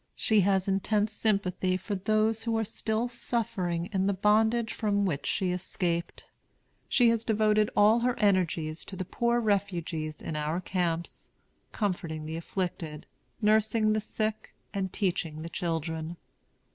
She has intense sympathy for those who are still suffering in the bondage from which she escaped. She has devoted all her energies to the poor refugees in our camps, comforting the afflicted, nursing the sick, and teaching the children.